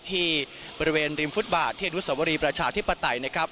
ที่บริเวณริมฟุตบาทที่อนุสวรีประชาธิปไตยนะครับ